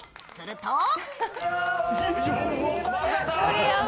すると